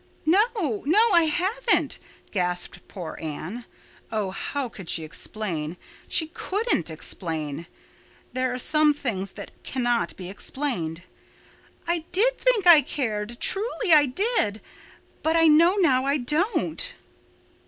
"No, no, I haven't," gasped poor Anne. Oh, how could she explain? She couldn't explain. There are some things that cannot be explained. "I did think I cared—truly I did—but I know now I don't."